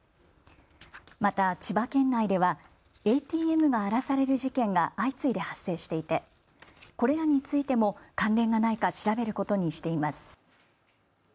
また千葉県内ではＡＴＭが荒らされる事件が相次いで発生していてこれらについても関連がないか調べることにしています。